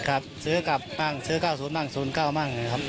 ครับซื้อกลับบ้างซื้อ๙๐บ้าง๐๙บ้างนะครับ